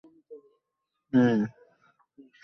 আমার কাছে একটা পয়সাও নেই।